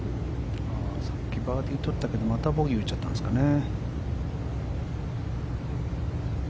さっきバーディー取ったけどまたボギー打っちゃったんですかね。